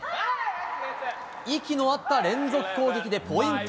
息の合った連続攻撃でポイント。